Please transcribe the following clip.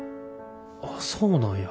あっそうなんや。